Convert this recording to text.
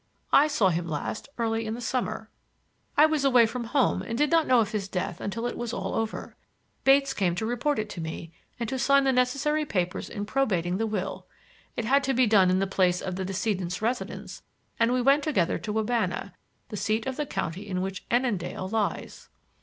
I saw him last early in the summer. I was away from home and did not know of his death until it was all over. Bates came to report it to me, and to sign the necessary papers in probating the will. It had to be done in the place of the decedent's residence, and we went together to Wabana, the seat of the county in which Annandale lies."